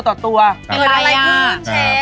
กันอะไรนะเพื่อนเชฟ